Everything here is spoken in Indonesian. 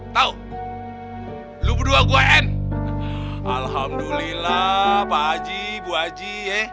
tahu lu berdua gue n alhamdulillah pak haji ibu aji